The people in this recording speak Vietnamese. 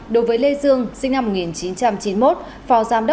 đối với lê dương sinh năm một nghìn chín trăm chín mươi một phò giam